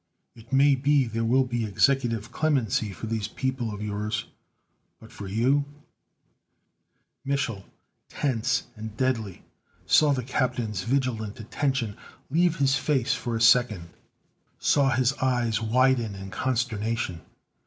"It may be there will be executive clemency for these people of yours, but for you " Mich'l, tense and deadly, saw the captain's vigilant attention leave his face for a second; saw his eyes widen in consternation.